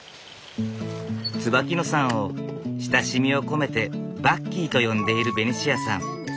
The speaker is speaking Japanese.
椿野さんを親しみを込めてバッキーと呼んでいるベニシアさん。